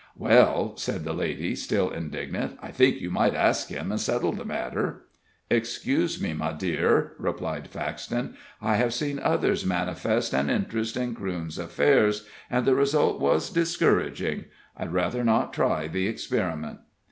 "Well," said the lady, still indignant, "I think you might ask him and settle the matter." "Excuse me, my dear," replied Faxton. "I have seen others manifest an interest in Crewne's affairs, and the result was discouraging. I'd rather not try the experiment."